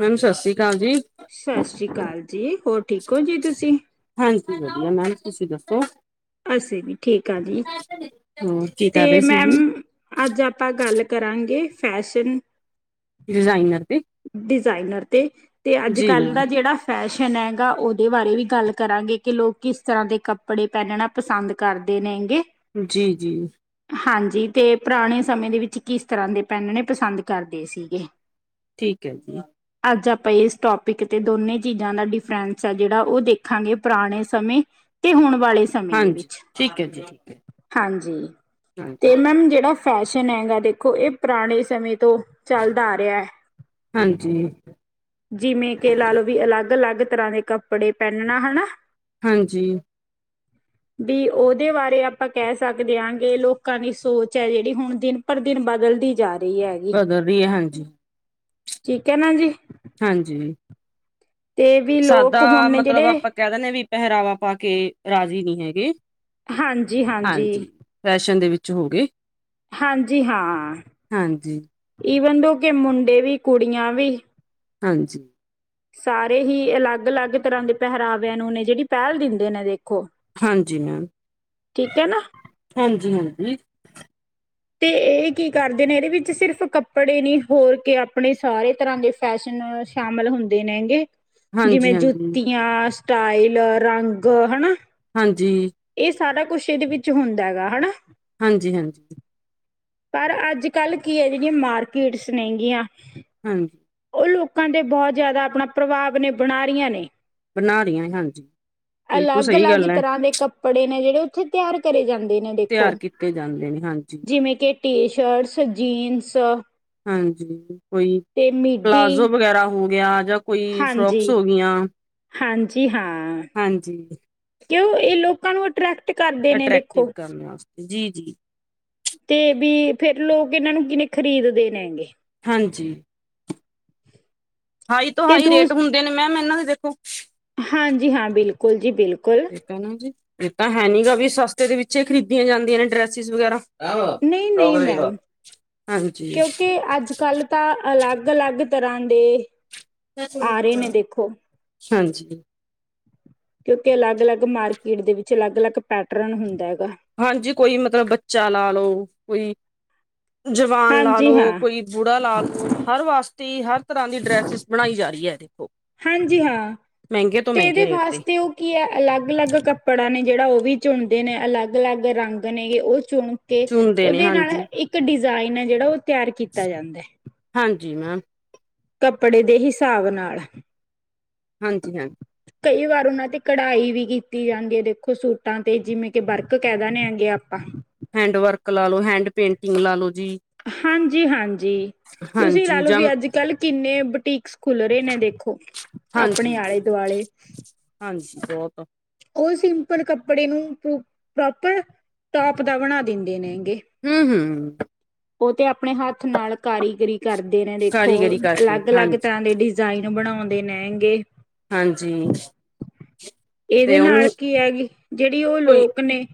Ma'am Sat Sri ਅਕਾਲ ਜੀ ਸਤਿ ਸ਼੍ਰੀ ਅਕਾਲ ਜੀ ਹੋਰ ਠੀਕ ਹੋ ਜੀ ਤੁਸੀਂ ਹਾਂਜੀ ਵਧੀਆ ਮੈਮ ਤੁਸੀਂ ਦੱਸੋ? ਅਸੀਂ ਜੀ ਠੀਕ ਆ ਜੀ। ਹੋਰ ਕੀ ਕਰ ਰਹੇ ਤੇ ਸੀ ਮੈਮ ਜੀ ਅੱਜ ਆਪਾਂ ਗੱਲ ਕਰਾਂਗੇ ਫੈਸ਼ਨ ਡਿਜ਼ਾਇਨਰ ਤੇ ਡਿਜ਼ਾਇਨਰ ਤੇ ਤੇ ਅੱਜ ਜੀ ਕੱਲ ਦਾ ਮੈਮ ਜਿਹੜਾ ਫੈਸ਼ਨ ਨ ਹੈਗਾ ਉਹਦੇ ਬਾਰੇ ਵੀ ਗੱਲ ਕਰਾਂਗੇ ਕਿ ਲੋਕ ਕਿਸ ਤਰ੍ਹਾਂ ਦੇ ਕੱਪੜੇ ਪਹਿਨਣਾ ਪਸੰਦ ਕਰਦੇ ਨੇ ਹੈਗੇ। ਜੀ-ਜੀ। ਹਾਂਜੀ ਤੇ ਪੁਰਾਣੇ ਸਮੇਂ ਦੇ ਵਿੱਚ ਕਿਸ ਤਰ੍ਹਾਂ ਦੇ ਪਹਿਨਣੇ ਪਸੰਦ ਕਰਦੇ ਸੀਗੇ। ਠੀਕ ਹੈ ਜੀ। ਅੱਜ ਆਪਾਂ ਇਸ ਟੋਪਿਕ ਤੇ ਦੋਨੇ ਚੀਜ਼ਾਂ ਦਾ ਡਿਫਰੈਂਸ ਆ ਜਿਹੜਾ ਉਹ ਦੇਖਾਂਗੇ ਪੁਰਾਣੇ ਸਮੇਂ ਤੇ ਹਣ ਵਾਲੇ ਸਮੇਂ ਦੇ ਹਾਂਜੀ ਵਿੱਚ ਠੀਕ ਹੈ ਜੀ ਠੀਕ ਹਾਂਜੀ ਹੈ ਤੇ ਹਾਂਜੀ ਮੈਮ ਜਿਹੜਾ ਫੈਸ਼ਨ ਹੈਗਾ ਦੇਖੋ ਇਹ ਪੁਰਾਣੇ ਸਮੇਂ ਤੋਂ ਚਲਦਾ ਆ ਰਿਹਾ ਹਾਂਜੀ ਜਿਵੇਂ ਕੀ ਲਾ ਲੋ ਵੀ ਅਲੱਗ-ਅਲੱਗ। ਤਰ੍ਹਾਂ ਦੇ ਕੱਪੜੇ ਪਹਿਨਣਾ ਹਨਾ। ਹਾਂਜੀ। ਵੀ ਉਹਦੇ ਬਾਰੇ ਆਪਾਂ ਕਹਿ ਸਕਦੇ ਹਾਂ ਗ ਲੋਕਾਂ ਦੀ ਸੋਚ ਹੈ। ਜਿਹੜੀ ਹੁਣ ਦਿਨ ਪਰ ਦਿਨ ਬਦਲਦੀ ਜਾ ਰਹੀ। ਹੈਗੀ ਬਦਲ ਰਹੀ ਹੈ ਹਾਂਜੀ। ਠੀਕ ਹੈ ਨਾ ਜੀ। ਹਾਂਜੀ। ਤੇ ਵੀ ਸਾਦਾ ਲੋਕ ਹੁਣ ਨੇ ਮਤਲਬ ਜਿਹੜੇ ਆਪਾਂ ਕਹਿ ਦਿੰਦੇੇ ਹਾਂ ਵੀ ਪਹਿਰਾਵਾ ਪਾ ਕੇ ਰਾਜ਼ੀ ਨਹੀਂ ਹੈਗੇ। ਹਾਂਜੀ ਫੈਸ਼ਨ ਦੇ ਵਿੱਚ ਹੋ ਗਏ। ਹਾਂਜੀ ਹਾਂ ਹਾਂਜੀ ਇਹ ਦੋ ਕਿ ਮੁੰਡੇ ਵੀ ਕੁੜੀਆਂ ਵੀ ਹਾਂਜੀ। ਸਾਰੇ ਹੀ ਅਲੱਗ-ਅਲੱਗ ਤਰ੍ਹਾਂ ਦੇ ਪਹਿਰਾਵਿਆਂ ਨੂੰ ਨੇ ਜਿਹੜੀ ਪਹਿਲ ਦਿੰਦੇ ਨੇ ਦੇਖੋ ਹਾਂਜੀ ਮੈਮ ਠੀਕ ਹੈ ਨਾ ਹਾਂਜੀ-ਹਾਂਜੀ। ਤੇ ਇਹ ਕੀ ਕਰਦੇ ਨੇ। ਇਹਦੇ ਵਿੱਚ ਸਿਰਫ਼ ਕੱਪੜੇ ਨੀ ਹੋਰ ਕੇ ਆਪਣੇ ਸਾਰੇ ਤਰ੍ਹਾਂ ਦੇ ਫੈਸ਼ਨ ਸ਼ਾਮਿਲ ਹੁੰਦੇ ਨੇ ਹੈਂਗੇ‌। ਹਾਂਜੀ ਜਿਵੇਂ ਹਾਂਜੀ ਜੁੱਤੀਆਂ ਸਟਾਈਲ ਰੰਗ ਹਨਾ। ਹਾਂਜੀ। ਇਹ ਸਾਰਾ ਕੁਛ ਇਹਦੇ ਵਿੱਚ ਹੁੰਦਾ ਹੈਗਾ ਹਨਾ। ਹਾਂਜੀ- ਹਾਂਜੀ। ਪਰ ਅੱਜ ਕੱਲ੍ਹ ਕੀ ਹੈ। ਜਿਹੜੀਆਂ ਮਾਰਕੀਟਸ ਨੇਗੀਆਂ ਹਾਂਜੀ। ਉਹ ਲੋਕਾਂ ਦੇ ਬਹੁਤ ਜ਼ਿਆਦਾ ਆਪਣਾ ਪ੍ਰਭਾਵ ਨੇ ਬਣਾ ਰਹੀਆਂ ਨੇ। ਬਣਾ ਰਹੀਆਂ ਹਾਂਜੀ ਬਿਲਕੁਲ ਸਹੀ ਅਲੱਗ-ਅਲੱਗ ਗੱਲ ਹੈ ਤਰ੍ਹਾਂ ਦੇ ਕੱਪੜੇ ਨੇ ਜਿਹੜੇ ਉੱਥੇ ਤਿਆਰ ਕਰੇ ਜਾਂਦੇ ਨੇ ਦੇਖੋ ਤਿਆਰ ਕੀਤੇ ਜਾਂਦੇ ਨੇ ਹਾਂਜੀ ਜਿਵੇਂ ਕੀ ਟੀ ਸ਼ਰਟਸ, ਜੀਨਸ ਹਾਂਜੀ ਕੋਈ ਤੇ ਪਲਾਜ਼ੋ ਮਿੱਡੀ ਵਗੈਰਾ ਹੋ ਗਿਆ। ਜਾਂ ਕੋਈ ਫਰੋਕਸ ਹਾਂਜੀ ਹੋ ਗਈਆਂ। ਹਾਂਜੀ ਹਾਂ। ਹਾਂਜੀ ਕਿਉਂ ਇਹ ਲੋਕਾਂ ਨੂੰ ਅਟਰ੍ਰੈਕਟ ਕਰਦੇ ਨੇ। ਅਟਰੈਕਟਿਵ ਦੇਖੋ ਕਰਨ ਵਾਸਤੇ ਜੀ- ਜੀ ਤੇ ਵੀ ਫੇਰ ਲੋਕ ਇਹਨਾਂ ਨੂੰ ਕਿਵੇਂ ਖ਼ਰੀਦਦੇ ਨੇ ਹੈਗੇ? ਹਾਂਜੀ। ਹਾਈ ਤੋਂ ਤੇ ਹਾਈ ਰੇਟ ਦੂਸ ਹੁੰਦੇ ਨੇ ਮੈਮ ਇਹਨਾਂ ਦੇ ਦੇਖੋ। ਹਾਂਜੀ, ਹਾਂ, ਬਿਲਕੁਲ ਜੀ ਬਿਲਕੁਲ। ਠੀਕ ਹੈ ਨਾ ਜੀ, ਇਹ ਤਾਂ ਹੈ ਨੀ ਗਾ ਵੀ ਸਸਤੇ ਦੇ ਵਿੱਚ ਖਰੀਦੀਆਂ ਜਾਂਦੀਆਂ ਨੇ ਡਰੈਸਿਸ ਵਗੈਰਾ। ਨਹੀਂ-ਨਹੀਂ ਮੈਮ, ਹਾਂਜੀ ਕਿਉਂਕਿ ਅੱਜ ਕੱਲ ਤਾਂ ਅਲੱਗ ਅਲੱਗ -ਅਲੱਗ ਤਰ੍ਹਾਂ ਦੇ ਆ ਰੇ ਨੇ ਦੇਖੋ। ਹਾਂਜੀ। ਕਿਉਂਕਿ ਅਲੱਗ-ਅਲੱਗ ਮਾਰਕੀਟ ਦੇ ਵਿੱਚ ਅਲੱਗ- ਅਲੱਗ ਪੈਟਰਨ ਹੁੰਦੈ। ਹਾਂਜੀ ਕੋਈ ਮਤਲਬ ਬੱਚਾ ਲਾ ਲਓ, ਕੋਈ ਜਵਾਨ ਲਾ ਹਾਂਜੀ ਲਓ, ਹਾਂ ਕੋਈ ਬੂੜਾ ਲਾ ਲਓ ਹਰ ਵਾਸਤੇ ਹਰ ਤਰ੍ਹਾਂ ਦੀ ਡਰੈਸਿਸ ਬਣਾਈ ਜਾ ਰੀ । ਹਾਂਜੀ, ਹਾਂ। ਮਹਿੰਗੇ ਤੋਂ ਤੇ ਮਹਿੰਗੇ ਇਹਦੇ ਰੇਟ ਤੇ ਵਾਸਤੇ ਉਹ ਕੀ ਹੈ ਅਲੱਗ -ਅਲੱਗ ਕੱਪੜਾ ਨੇ ਜਿਹੜਾ ਉਹ ਵੀ ਚੁਣਦੇ ਨੇ ਅਲੱਗ-ਅਲੱਗ ਰੰਗ ਨੇ ਉਹ ਚੁਣ ਕੇ ਚੁਣਦੇ ਨੇ ਉਹਦੇ ਨਾਲ ਹਾਂਜੀ ਇੱਕ ਡਿਜ਼ਾ ਡਿਜ਼ਾਇਨ ਏ ਜਿਹੜਾ ਉਹ ਤਿਆਰ ਕੀਤਾ ਜਾਂਦੈ। ਜੀ ਮੈਮ, ਕੱਪੜੇ ਦੇ ਹਿਸਾਬ ਨਾਲ। ਹਾਂਜੀ, ਹਾਂ। ਕਈ ਵਾਰ ਉਹਨਾਂ ਤੇ ਕਢਾਈ ਵੀ ਕੀਤੀ ਜਾਂਦੀ ਏ ਦੇਖੋ ਸੂਟਾਂ ਤੇ, ਜਿਵੇਂ ਕਿ ਬਰਕ ਕਹਿ ਦਨੇ ਗੇ ਆਪਾਂ। ਹੈਂਡ ਵਰਕ ਲਾ ਲੋ, ਹੈਂਡ ਪੇਂਟਿੰਗ ਲਾ ਲੋ। ਜੀ ਹਾਂਜੀ- ਹਾਂਜੀ, ਤੁਸੀਂ ਲਾ ਹਾਂਜੀ ਲਓ ਜਾਂ ਵੀ ਅੱਜ-ਕੱਲ ਕਿੰਨੇ ਬੁਟੀਕ ਖੁੱਲ ਰਹੇ ਨੇ ਦੇਖੋ ਅਪਣੇ ਹਾਂਜੀ ਆਲੇ- ਦੁਆਲੇ। ਹਾਂਜੀ ਬਹੁਤ। ਉਹ ਸਿੰਪਲ ਕੱਪੜੇ ਨੂੰ ਪ੍ਰੋ - ਪ੍ਰੋਪਰ ਟੋਪ ਦਾ ਬਣਾ ਦਿੰਦੇ ਨੇ। ਹੰ - ਹੰ ਉਹ ਤੇ ਆਪਣੇ ਹੱਥ ਨਾਲ ਕਾਰੀਗਰੀ ਕਰਦੇ ਨੇ ਦੇਖੋ ਕਾਰੀਗਰੀ ਕਰਕੇ ਅਲੱਗ-ਅਲੱਗ ਹਾਂਜੀ ਤਰ੍ਹਾਂ ਦੇ ਡਿਜ਼ਾਇਨ ਬਣਾਉਂਦੇ ਨਿਹਗੇ। ਹਾਂਜੀ ਤੇ ਇਹਦੇ ਨਾਲ ਉਹਨੂੰ ਕੀ ਹੈਗੀ, ਜਿਹੜੀ ਉਹ ਕੋਈ ਲੋਕ ਨੇ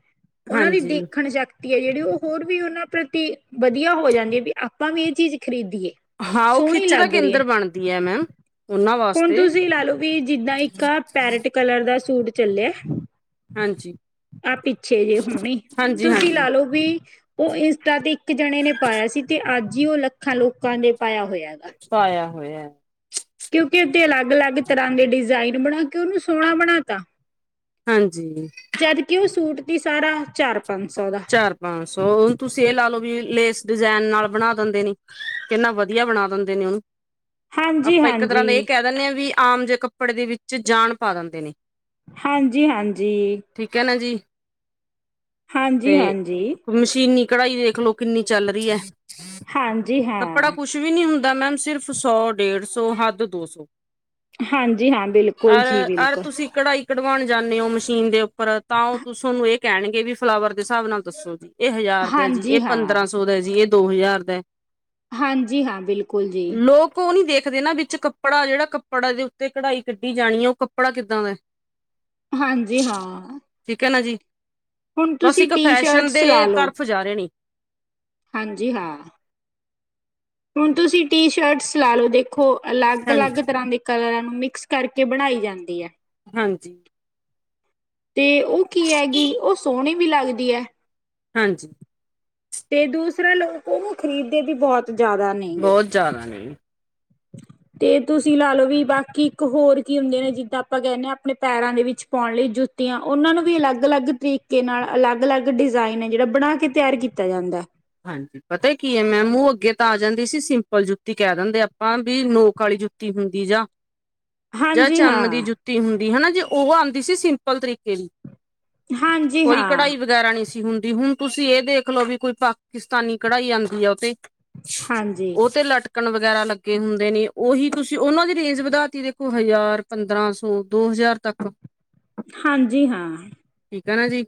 ਉਹਨਾਂ ਦੀ ਹਾਂਜੀ ਦੇਖਣ ਸ਼ਕਤੀ ਏ ਜਿਹੜੀ ਉਹ ਹੋਰ ਵੀ ਉਹਨਾਂ ਪ੍ਰਤੀ ਵਧੀਆ ਹੋ ਜਾਂਦੀ ਵੀ ਆਪਾਂ ਵੀ ਇਹ ਚੀਜ਼ ਖਰੀਦ। ਹਾਂ ਉਹ ਖਿੱਚ ਦਾ ਕੇਂਦਰ ਬਣਦੀ ਹੈ ਮੈਮ, ਓਹਨੂੰ। ਹੁਣ ਤੁਸੀਂ ਲਾ ਲੋੋ, ਵੀ ਜਿੱਦਾਂ ਇੱਕ ਪੈਰਟ ਕਲਰ ਦਾ ਸੂਟ ਚਲਿਆ। ਹਾਂਜੀ। ਆ ਪਿੱਛੇ ਜੇ ਹੋਣੇ। ਹਾਂਜੀ ਤੁਸੀਂ ਹਾਂਜੀ ਲਾ ਲਓ ਵੀ, ਉਹ ਇੰਸਟਾ ਤੇ ਇੱਕ ਜਣੇ ਨੇ ਪਾਇਆ ਸੀ ਤੇ ਅੱਜ ਜੀ ਉਹ ਲੱਖਾਂ ਲੋਕਾਂ ਨੇ ਪਾਇਆ ਹੋਇਆ। ਕਿਉਂਕਿ ਉੱਤੇ ਅਲੱਗ-ਅਲੱਗ ਤਰ੍ਹਾਂ ਦੇ ਡਿਜ਼ਾਇਨ ਬਣਾ ਕੇ ਉਹਨੂੰ ਸੋਹਣਾ ਬਣਾ ਤਾ। ਹਾਂਜੀ ਜਦ ਕਿ ਉਹ ਸੂਟ ਦੀ ਸਾਰਾ ਚਰੱ ਚਾਰ ਪੰਜ ਸੌ, ਹੁਣ ਤੁਸੀਂ ਇਹ ਲਾ ਲਓ ਵੀ ਲੇਸ ਡਿਜਾਇਨ ਨਾਲ ਬਣਾ ਦਿੰਦੇ ਨੇ, ਕਿੰਨਾ ਵਧੀਆ ਬਣਾ ਦਿੰਦੇ ਨੇ ਉਹਨੂੰ। ਆਪਾਂ ਇੱਕ ਤਰ੍ਹਾਂ ਦਾ ਇਹ ਹਾਂਜੀ-ਹਾਂਜੀ ਕਹਿ ਦਿੰਨੇ ਆ ਵੀ ਆਮ ਜਿਹੇ ਕੱਪੜੇ ਦੇ ਵਿੱਚ ਜਾਨ ਪਾ ਦਿੰਦੇ ਨੇ। ਹਾਂਜੀ-ਹਾਂਜੀ। ਠੀਕ ਹੈ ਨਾ ਜੀ ਹਾਂਜੀ-ਹਾਂਜੀ, ਹਾਂਜੀ ਤੇ ਹਾਂਜੀ ਮਸ਼ੀਨੀ ਕਢਾਈ ਦੇਖਲੋ, ਕਿੰਨੀ ਚੱਲ ਰਹੀ ਐ। ਹਾਂਜੀ ਹਾਂ। ਕੱਪੜਾ ਕੁਛ ਵੀ ਨੀ ਹੁੰਦਾ ਮੈਮ, ਸਿਰਫ ਸੌ ਡੇਢ ਸੌ ਹੱਦ ਦੋ ਸੌ। ਹਾਂਜੀ ਹਾਂ, ਬਿਲਕੁਲ ਜੀ ਅਰ-ਅਰ ਬਿਲਕੁਲ, ਤੁਸੀਂ ਕਢਾਈ ਕਢਵਾਉਣ ਜਾਂਨੇ ਔ, ਮਸ਼ੀਨ ਦੇ ਉੱਪਰ ਤਾਂ ਉਹ ਤੁਸੀਂ ਉਹਨੂੰ ਇਹ ਕਹਿਣਗੇ ਵੀ ਫਲਾਵਰ ਦੇ ਹਿਸਾਬ ਨਾਲ ਦੱਸੋ ਜੀ। ਇਹ ਹਜ਼ਾਰ ਦਾ ਜੀ, ਹਾਂਜੀ ਇਹ ਹਾਂ। ਪੰਦਰਾਂ ਸੌ ਦਾ ਜੀ, ਇਹ ਦੋ ਹਜ਼ਾਰ ਦਾ। ਹਾਂਜੀ, ਹਾਂ ਬਿਲਕੁਲ ਜੀ। ਦੇ ਨਾ ਵਿੱਚ ਕੱਪੜਾ ਜਿਹੜਾ ਕੱਪੜਾ ਦੇ ਉੱਤੇ ਕਢਾਈ ਕੱਢੀ ਜਾਣੀ ਹੈ, ਉਹ ਕੱਪੜਾ ਕਿੱਦਾਂ ਦਾ ਐ? ਹਾਂਜੀ, ਹਾਂ। ਠੀਕ ਐ ਨਾ ਜੀ, ਹੁਣ ਬਸ ਤੁਸੀਂ ਇੱਕ ਟੀ ਫੈਸ਼ਨ ਸ਼ਰਟਸ ਦੇ ਲਾ ਲਓ, ਤਰਫ਼ ਜਾ ਰਹੇ ਨੇ। ਹਾਂਜੀ, ਹਾਂ। ਹੁਣ ਤੁਸੀਂ ਟੀ ਸ਼ਰਟਸ ਲਾ ਲਓ, ਦੇਖੋ ਹਾਂਜੀ ਅਲੱਗ-ਅਲੱਗ ਤਰ੍ਹਾਂ ਦੇ ਕਲਰ। ਨੂੰ ਮਿਕਸ ਕਰਕੇ ਬਣਾਈ ਜਾਂਦੀ ਐ। ਹਾਂਜੀ। ਤੇ ਉਹ ਕੀ ਐ ਗੀ? ਉਹ ਸੋਹਣੀ ਵੀ ਲੱਗਦੀ ਐ। ਹਾਂਜੀ। ਤੇ ਦੂਸਰੇ ਲੋਕ ਉਹਨੂੰ ਖ਼ਰੀਦ ਦੇ ਵੀ ਬਹੁਤ ਜ਼ਿਆਦਾ ਨੇ ਗੇ। ਬਹੁਤ ਜ਼ਿਆਦਾ ਨੇ [unintelligible] ਤੇ ਤੁਸੀਂ ਲਾ ਲੋ ਵੀ ਬਾਕੀ ਇੱਕ ਹੋਰ ਕੀ ਹੁੰਦੇ ਨੇ? ਜਿੱਦਾਂ ਕਹਿੰਦੇ ਹਾਂ, ਆਪਣੇ ਪੈਰਾਂ ਦੇ ਵਿੱਚ ਪਾਣ ਲਈ ਜੁ ਕੁਤੀਆਂ ਉਹਨਾਂ ਨੂੰ ਵੀ ਅਲੱਗ-ਅਲੱਗ ਤਰੀਕੇ ਨਾਲ ਅਲਗ-ਅਲਗ ਡਿਜ਼ਾਇਨ ਐ, ਜਿਹੜਾ ਬਣਾ ਕੇ ਤਿਆਰ ਕੀਤਾ ਜਾਂਦਾ। ਪਤਾ ਕੀ ਹੈ, ਮੈ ਮੂੰਹ ਅੱਗੇ ਤਾਂ ਆ ਜਾਂਦੀ ਸੀ ਸਿੰਪਲ ਜੁੱਤੀ ਕਹਿ ਦਿੰਦੇ ਆਪਾਂ ਵੀ ਨੋਕ ਆਲੀ, ਜੁੱਤੀ ਹੁੰਦੀ ਜਾ। ਜਾਂ ਹਾਂਜੀ ਚਮ ਦੀ ਹਾਂ, ਜੁੱਤੀ ਹੁੰਦੀ ਹਨਾ। ਜੇ ਉਹ ਆਉਂਦੀ ਸੀ ਸਿੰਪਲ ਤਰੀਕੇ ਦੀ। ਹਾਂਜੀ ਕੋਈ ਹਾਂ, ਕਢਾਈ ਵਗੈਰਾ ਨਹੀਂ ਸੀ ਹੁੰਦੀ। ਵੀ ਹੁਣ ਤੁਸੀਂ ਇਹ ਦੇਖ ਲੋ ਵੀ ਕੋਈ ਪਾਕਿਸਤਾਨੀ ਕਢਾਈ ਆਉਂਦੀ ਆ ਉਹ ਤੇ। ਹਾਂਜੀ। ਉਹ ਤੇ ਲਟਕਣ ਵਗੈਰਾ ਲੱਗੇ ਹੁੰਦੇ ਨੇ। ਉਹੀ ਤੁਸੀਂ ਉਹਨਾਂ ਦੀ ਰੇਂਜ ਵਧਾਤੀ ਦੇਖੋ ਹਜ਼ਾਰ ਪੰਦਰਾਂ ਸੌ ਦੋ ਹਜ਼ਾਰ ਤੱਕ। ਹਾਂਜੀ, ਠੀਕ ਹੈ ਨਾ ਹਾਂ ਜੀ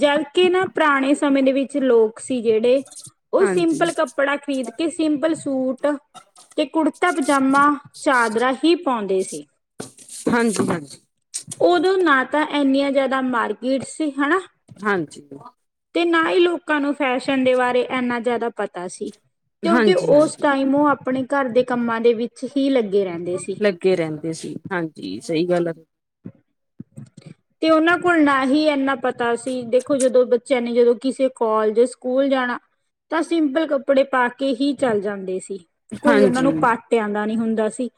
ਜਦ ਕੀ ਨਾ ਪੁਰਾਣੇ ਸਮੇਂ ਦੇ ਵਿੱਚ ਲੋਕ ਸੀ, ਜਿਹੜੇ ਉਹ ਹਾਂਜੀ ਸਿੰਪਲ ਕੱਪੜਾ ਖਰੀਦ ਕੇ ਸਿੰਪਲ ਸੂਟ ਤੇ ਕੁੜਤਾ ਪਜਾਮਾ, ਚਾਦਰਾ ਹੀ ਪਾਉਂਦੇ ਸੀ। ਹਾਂਜੀ-ਹਾਂਜੀ। ਉਦੋਂ ਨਾ ਤਾਂ ਇੰਨੀਆਂ ਜਿਆਦਾ ਮਾਰਗੀਟ ਸੀ ਹਨਾ। ਹਾਂਜੀ। ਤੇ ਨਾ ਹੀ ਲੋਕਾਂ ਨੂੰ ਫੈਸ਼ਨ ਦੇ ਬਾਰੇ ਇਨਾ ਜ਼ਿਆਦਾ ਪਤਾ ਸੀ। ਕਿਉਂਕਿ ਹਾਂਜੀ ਹਾਂਜੀ ਉਸ ਟਾਈਮ ਉਹ ਆਪਣੇ ਘਰ ਦੇ ਕੰਮਾਂ ਦੇ ਵਿੱਚ ਹੀ ਲੱਗੇ ਰਹਿੰਦੇ ਸੀ। ਲੱਗੇ ਰਹਿੰਦੇ ਸੀ, ਹਾਂਜੀ ਸਈ ਗੱਲ। [unintelligible] ਤੇ ਉਹਨਾਂ ਕੋਲ ਨਾ ਹੀ ਇੰਨਾ ਪਤਾ ਸੀ, ਦੇਖੋ ਜਦੋਂ ਬੱਚਿਆਂ ਨੇ ਜਦੋਂ ਕਿਸੇ ਕੋਲਜ ਸਕੂਲ ਜਾਣਾ ਤਾਂ ਸਿੰਪਲ ਕੱਪੜੇ ਪਾ ਕੇ ਹੀ ਚੱਲ ਜਾਂਦੇ ਸੀ। ਕੋਈ ਉਹਨਾ ਹਾਂਜੀ ਨੂੰ ਪਾਟਿਆਂ ਦਾ ਨੀ ਹੁੰਦਾ ਸੀ,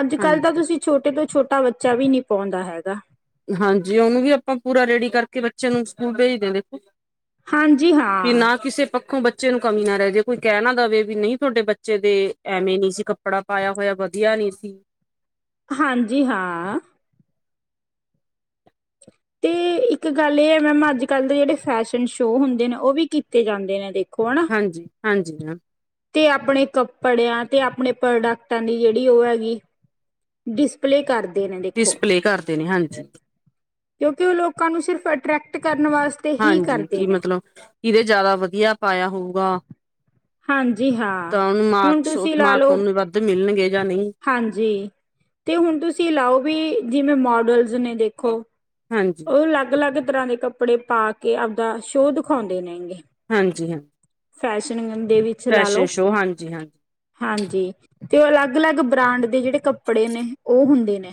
ਅੱਜ-ਕੱਲ ਤਾਂ ਹਾਂਜੀ ਤੁਸੀਂ ਛੋਟੇ ਤੋਂ ਛੋਟੇ ਟਾ ਬੱਚਾ ਵੀ ਨੀ ਪਾਉਂਦਾ ਹੈਗਾ। ਹਾਂਜੀ, ਉਹਨੂੰ ਵੀ ਆਪਾਂ ਪੂਰਾ ਰੇਡੀ ਕਰਕੇ ਬੱਚੇ ਨੂੰ ਸਕੂਲ ਭੇਜਦੇ ਦੇਖੋ। ਹਾਂਜੀ ਕਿ ਹਾਂ। ਨਾ ਕਿਸੇ ਪੱਖੋਂ ਬੱਚੇ ਬੱਚੇ ਨੂੰ ਕਮੀ ਨਾ ਰਹਿ ਜਾ ਕੋਈ ਕਹਿ ਨਾ ਦੇਵੇ, ਵੀ ਨਹੀਂ ਤੁਹਾਡੇ ਬੱਚੇ ਦੇ ਐਵੇਂ ਨੀ ਸੀ ਕੱਪੜਾ ਪਾਇਆ ਹੋਇਆ ਵਧੀਆ। ਸੀ । ਹਾਂਜੀ ਹਾਂ। ਤੇ ਇੱਕ ਗੱਲ ਇਹ ਹੈ। ਮੈਮ ਅੱਜ ਕੱਲ ਦੇ ਜਿਹੜੇ ਫੈਸ਼ਨ ਸ਼ੋ ਹੁੰਦੇ ਨੇ ਉਹ ਵੀ ਕੀਤੇ ਜਾਂਦੇ ਨੇ ਇਦੇ । ਹਾਂਜੀ-ਹਾਂਜੀ ਮੈ। ਤੇ ਆਪਣੇ ਕੱਪੜਿਆਂ ਤੇ ਆਪਣੇ ਪ੍ਰੋਡਕਟਾਂ ਦੀ ਜਿਹੜੀ ਉਹ ਹੈਗੀ ਡਿਸਪਲੇ ਕਰਦਾ। ਡਿਸਪਲੇ ਕਰਦੇ ਨੇ ਹਾਂਜੀ। ਕਿਉਂਕਿ ਉਹ ਲੋਕਾਂ ਨੂੰ ਸਿਰਫ ਅਟਰੈਕਟ ਕਰ ਹਾਂਜੀ ਕੀ ਮਤਲਬ ਕਿਦੇ ਜ਼ਿਆਦਾ ਵਧੀਆ ਪਾਇਆ ਹੋਊਗਾ। ਹਾਂਜੀ ਹਾਂ ਤਾਂ ਓਹਨਾ ਹੁਣ ਮਾਰਕਸ ਤੁਸੀਂ ਲਾ ਮਾਰਕ ਲਓ ਵਧ ਮਿਲਣਗੇ। ਜਾਂ ਨਹੀਂ ਹਾਂਜੀ ਤੇ ਹੁਣ ਤੁਸੀਂ ਲਓ ਵੀ ਜਿਵੇਂ ਮੋਡਲਸ ਨੇ ਦੇਖੋ। ਹਾਂਜੀ ਉਹ ਅਲੱਗ-ਅਲੱਗ ਤਰ੍ਹਾਂ ਦੇ ਕੱਪੜੇ ਪਾ ਕੇ ਆਉਂਦਾ ਸ਼ੋ ਦਿਖਾਉਂਦੇ ਨੇਗੇ। ਹਾਂਜੀ ਹਾਂ। ਫੈਸ਼ਨ ਦੇ ਵਿੱਚ ਲਾ ਫੈਸ਼ਨ ਲੋ ਸ਼ੋਅ ਹਾਂਜੀ ਹਾਂਜੀ ਹਾਂਜੀ ਤੇ ਉਹ ਅਲੱਗ। ਅਲੱਗ-ਅਲੱਗ ਬ੍ਰਾਂਡ ਦੇ ਜਿਹੜੇ ਕੱਪੜੇ ਨੇ ਉਹ ਹੁੰਦੇ ਨੇ।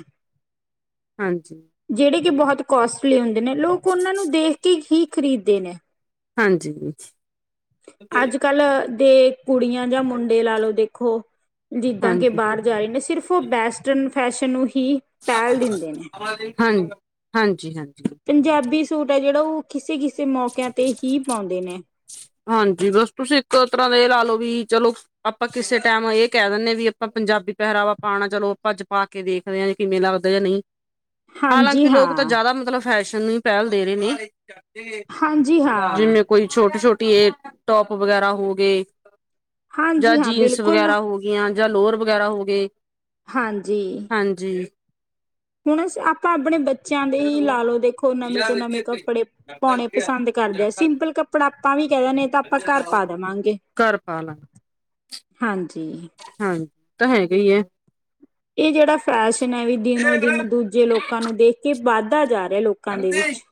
ਹਾਂਜੀ। ਜਿਹੜੇ ਕਿ ਬਹੁਤ ਕੋਸਟਲੀ ਹੁੰਦੇ ਨੇ ਲੋਕ ਉਹਨਾਂ ਨੂੰ ਦੇਖ ਕੇ ਹੀ ਖਰੀਦਦੇ ਨੇ। ਹਾਂਜੀ। ਅੱਜ ਕੱਲ ਦੇ। ਕੁੜੀਆਂ ਜਾਂ ਮੁੰਡੇ ਲਾ ਲਓ ਦੇਖੋ ਜਿੱਦਾਂ ਹਾਂਜੀ ਕਿ ਬਾਹਰ ਜਾ ਰਹੇ ਨੇ ਸਿਰਫ ਉਹ ਵੈਸਟਨ। ਫੈਸ਼ਨ ਨੂੰ ਹੀ ਪਹਿਲ ਦਿੰਦੇ ਨੇ। ਹਾਂ ਹਾਂਜੀ ਹਾਂਜੀ। ਪੰਜਾਬੀ ਸੂਟ ਹੈ ਜਿਹੜਾ ਉਹ ਕਿਸੇ- ਕਿਸੇ ਮੌਕਿਆਂ ਤੇ ਹੀ ਪਾਉਂਦੇ ਨੇ। ਹਾਂਜੀ ਬਸ ਤੁਸੀਂ ਇੱਕ ਤਰ੍ਹਾਂ ਦਾ ਇਹ ਲਾ ਲਓ ਵੀ ਚਲੋ ਆਪਾਂ ਕਿਸੇ ਟਾਈਮ ਇਹ ਕਹਿ ਦਿੰਦੇ ਵੀ ਆਪਾਂ ਪੰਜ। ਪੰਜਾਬੀ ਪਹਿਰਾਵਾ ਪਾਉਣਾ ਚਲੋ ਆਪਾਂ ਪਾ ਕੇ ਦੇਖਦੇ ਹਾਂ ਜੇ ਮੇਲਾ ਲੱਗਦਾ ਜਾਂ ਨਹੀਂ। ਹਾਲਾਂ ਹਾਂਜੀ ਲੋਕ ਤਾਂ ਹਾਂ ਜ਼ਿਆਦਾ ਮਤਲਬ ਫੈਸ਼ਨ ਹੀ ਪਹਿਲ ਦੇ ਰਹੇ ਨੇ। ਹਾਂਜੀ ਹਾਂ ਜਿਵੇਂ ਕੋਈ ਛੋਟੀ-ਛੋਟੀ ਇਹ ਟੋਪ ਵਗੈਰਾ ਹੋ ਗਏ। ਜਾਂ ਹਾਂਜੀ ਹਾਂ ਜੀਨਸ ਬਿਲਕੁਲ ਵਗੈਰਾ ਹੋ ਗਆਂ ਜਾਂ ਲੋਅਰ ਵਗੈਰਾ ਹੋ ਗਏ। ਹਾਂਜੀ। ਹਾਂਜੀ ਹੁਣ ਆਪਾਂ ਆਪਣੇ ਬੱਚਿਆਂ ਦੇ ਹੀ ਲਾ ਲਓ ਦੇਖੋ ਨਵੇਂ ਤੋਂ ਨਵੇਂ ਕੱਪੜੇ ਪਾਉਣੇ ਪਸੰਦ ਕਰਦੇ ਸਿੰਪਲ ਕੱਪੜਾ ਆਪਾਂ ਵੀ ਕਹਿ ਦਿੰਨੇ ਆ ਆਪਾਂ ਘਰ ਪਾ ਦਵਾਂਗੇ। ਘਰ ਪਾ ਲਾਂਗੇ ਹਾਂਜੀ। ਹਾਂਜੀ ਤਾਂ ਹੈਗਾ ਹੀ ਹੈ। ਇਹ ਜਿਹੜਾ ਫੈਸ਼ਨ ਹੈ ਵੀ ਦਿਨੋ ਦਿਨ ਦੂਜੇ ਲੋਕਾਂ ਨੂੰ ਦੇਖ ਕੇ ਵੱਧਾ ਜਾ ਰਿਹਾ। ਲੋਕਾਂ ਦੇ ਵਿੱਚ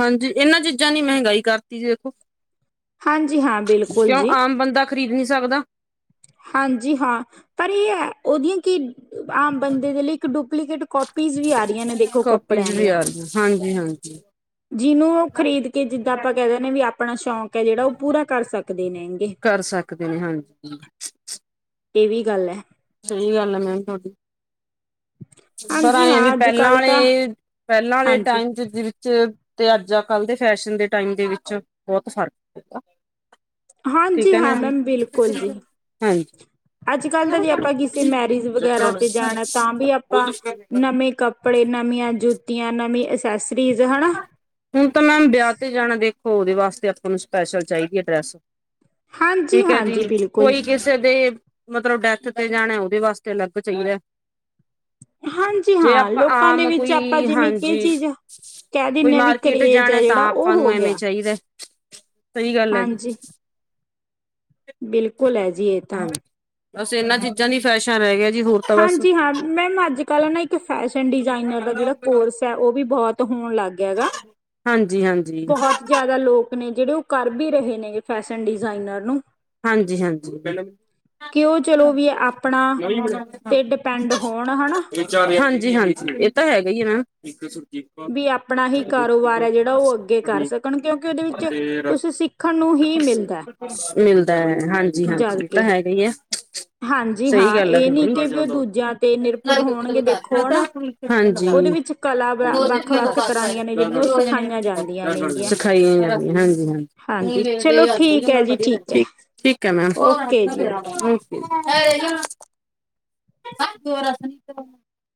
ਹਾਂਜੀ ਇਹਨਾਂ ਚੀਜ਼ਾਂ ਨੀ ਮਹਿੰਗਾਈ ਕਰਤੀ ਜ ਦੇਖੋ। ਹਾਂਜੀ ਹਾਂ ਬਿਲਕੁਲ ਕਿਉਂ ਜੀ ਆਮ ਬੰਦਾ ਖ਼ਰੀਦ ਨ ਸਕਦਾ। ਹਾਂਜੀ ਹਾਂ ਪਰ ਇਹ ਹੈ ਉਹਦੀਆਂ ਕਿ। ਆਮ ਬੰਦੇ ਦੇ ਲਈ ਇੱਕ ਡੁਪਲੀਕੇਟ ਕਪੀਜ਼ ਵੀ ਆ ਰਹੀਆਂ ਨੇ ਦੇਖੋ ਕੋਪੀਜ਼ ਕੱਪੜਿਆਂ ਵੀ ਦੀਆਂ। ਆ ਰਹੀਆਂ ਹਾਂਜੀ ਹਾਂਜੀ। ਜਿਹਨੂੰ ਉਹ ਖਰੀਦ ਕੇ ਜਿੱਦਾਂ ਆਪਾਂ ਕਹਿ ਦਿੰਦੇ ਵੀ ਆਪਣਾ ਸ਼ੌਕ ਹੈ ਜਿਹੜਾ ਉਹ ਪੂਰਾ ਕਰ ਸਕਦੇ। ਨੇਗੇ ਕਰ ਸਕਦੇ ਨੇ ਹਾਂਜੀ। ਇਹ ਵੀ ਗੱਲ ਹੈ। ਸਹੀ ਗੱਲ ਆ ਮੈਮ ਤੁਹਾਡੀ। ਪਰ ਹਾਂਜੀ ਆਏ ਹਾਂ ਵੀ ਅੱਜ ਪਹਿਲਾਂ ਕੱਲ ਤਾਂ ਵਾਲੇ ਪਹਿਲਾਂ ਵਾਲੇ ਹਾਂਜੀ ਟਾਈਮ ਚ ਵਿੱਚ। ਤੇ ਅੱਜ ਕੱਲ ਦੇ ਫੈਸ਼ਨ ਦੇ ਟਾਈਮ ਦੇ ਵਿੱਚ ਬਹੁਤ ਫ਼ਰਕ ਪੈਂਦਾ। ਹਾਂਜੀ ਹਾਂ ਮੈਮ ਬਿਲਕੁਲ ਜੀ। ਹਾਂਜੀ ਅੱਜ ਕੱਲ ਦਾ ਜੇ ਆਪਾਂ ਕਿਸੇ ਮੈਰਿਜ ਵਗੈਰਾ ਤੇ ਜਾਣਾ ਤਾਂ ਵੀ। ਾਂ ਨਵੇਂ ਕੱਪੜੇ ਨਵੀਆਂ ਜੁੱਤੀਆਂ ਨਵੀਂ ਅਸੈਸਰੀਜ਼ ਹਨਾ। ਹੁਣ ਤਾਂ ਮੈਮ ਵਿਆਹ ਤੇ ਜਾਣਾ ਦੇਖੋ ਉਹਦੇ ਵਾਸਤੇ ਆਪਾਂ ਨੂੰ ਸਪੈਸ਼ਲ ਚਾਹੀਦੀ ਹੈ ਡਰੈੱਸ। ਹਾਂਜੀ ਠੀਕ ਹੈ ਜੀ ਹਾਂਜੀ ਬਿਲਕੁਲ ਕੋਈ ਜੀ। ਕਿਸੇ ਦੇ ਮਤਲਬ ਡੈਥ ਜਾਣਾ ਉਹਦੇ ਵਾਸਤੇ ਅਲੱਗ ਚਾਹੀਦਾ। ਹਾਂਜੀ ਜੇ ਹਾਂ ਆਪਾਂ ਲੋਕਾਂ ਦੇ ਆਮ ਵਿੱਚ ਆਪਾਂ ਕੋਈ ਜਿਵੇਂ ਕਿ ਹਾਂਜੀ। ਚੀਜ਼ ਕਹਿ ਕੋਈ ਦਿੰਦੇ ਹਾਂ ਵੀ ਮਾਰਕੀਟ ਕਰੇਜ ਜਾਣਾ ਹੈ ਤਾਂ ਜਿਹੜਾ ਉਹ ਆਪਾਂ ਨੂੰ ਹੋ ਐਵੇਂ ਗਿਆ ਚਾਹੀਦਾ ਸਹੀ ਗੱਲ ਹੈ ਜੀ। ਹਾਂਜੀ ਬਿਲਕੁਲ ਐ ਜੀ ਇਹ ਤਾਂ। ਹਾਂਜੀ ਬਸ ਇਹਨਾਂ ਚੀਜ਼ਾਂ ਦੀ ਫੈਸ਼ਨ ਰਹਿ ਗਿਆ। ਜੀ ਹੋਰ ਤਾਂ ਬਸ ਹਾਂਜੀ ਹਾਂ ਮੈਮ ਅੱਜ ਕੱਲ ਨਾ ਇੱਕ ਫੈਸ਼ਨ ਡਿਜ਼ਾਇਨਰ ਦਾ ਜਿਹੜਾ ਕੋਰਸ ਐ ਉਹ ਵੀ ਬਹੁਤ ਹੋ। ਣ ਲੱਗ ਗਿਆ ਗਾ। ਹਾਂਜੀ। ਹਾਂਜੀ ਬਹੁਤ ਜ਼ਿਆਦਾ ਲੋਕ ਨੇ ਜਿਹੜੇ ਉਹ ਕਰ ਵੀ ਰਹੇ ਨੇ, ਫੈਸ਼ਨ ਡਿਜ਼ਾਇਨਰ ਨੂੰ। ਹਾਂਜੀ ਹਾਂਜੀ ਕਿਉ ਚਲੋ ਵੀ ਆਪਣਾ ਤੇ ਡਿਪੈਂਡ ਹੋਣ ਹਨਾ ਹਾਂਜੀ-ਹਾਂਜੀ, ਇਹ ਤਾਂ ਹੈਗਾ ਈ ਏ ਨਾ। ਵੀ ਆਪਣਾ ਹੀ ਕਾਰੋਬਾਰ ਹੈ ਜਿਹੜਾ ਉਹ ਅੱਗੇ ਕਰ ਸਕਣ, ਕਿਉਂਕਿ ਉਹਦੇ ਵਿੱਚ ਕੁਛ ਸਿੱਖਣ ਨੂੰ ਹੀ ਮਿਲਦਾ ਮਿਲਦਾ ਹੈ । ਜਦ ਹਾਂਜੀ-ਹਾਂਜੀ, ਓ ਤਾਂ ਕੇ ਹੈਗਾ ਹੀ ਐ। ਹਾਂਜੀ ਹਾਂ, ਇਹ ਨੀ ਕਿ ਵੀ ਉਹ ਦੂਜਿਆਂ ਤੇ ਨਿਰਭਰ ਹੋਣਗੇ। ਦੇਖੋ ਹੈਣਾ । ਉਹਦੇ ਵਿੱਚ ਵਿੱਚ ਕਲਾ [inaudible] ਬ ਜਾਂਦੀਆਂ ਨੇਗੀਆਂ ਸਿਖਾਈਆਂ ਜਾਂਦੀਆ। ਹਾਂਜੀ-ਹਾਂਜੀ ਹਾਂਜੀ ਤੇ ਚਲੋ ਅੱਜ ਵੀ ਠੀਕ ਉਨ੍ਹਾਂ ਹੈ ਨਾਲ ਜੀ ਵਧੀਆ ਰਹਿ ਹੈ ਠੀਕ, ਠੀਕ ਹੈ ਮੈਮ, ਓਕੇ ਜੀ ਓਕੇ ਓਕੇ। ਦੁਬਾਰਾ [unintelligible]